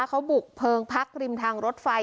เขาบุกเพลิงพักริมทางรถไฟ